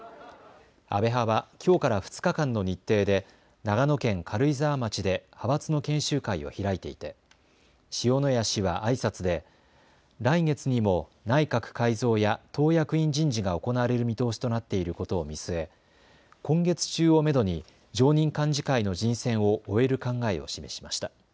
安倍派はきょうから２日間の日程で長野県軽井沢町で派閥の研修会を開いていて塩谷氏はあいさつで来月にも内閣改造や党役員人事が行われる見通しとなっていることを見据え、今月中をめどに常任幹事会の人選を終える考えを示しました。